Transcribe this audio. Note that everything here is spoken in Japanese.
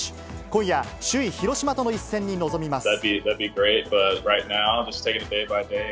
今夜、首位広島との一戦に臨みます。